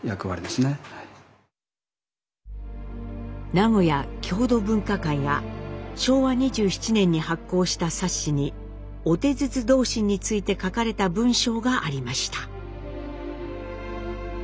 名古屋郷土文化会が昭和２７年に発行した冊子に「御手筒同心」について書かれた文章がありました。